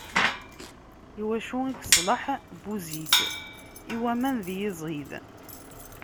I wacu iṣleḥ Buzid? i waman d yiẓid.